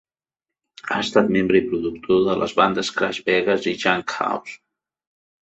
Ha estat membre i productor de les bandes Crash Vegas i Junkhouse.